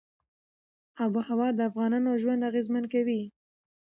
آب وهوا د افغانانو ژوند اغېزمن کوي.